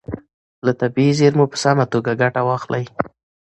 له طبیعي زیرمو په سمه توګه ګټه واخلئ.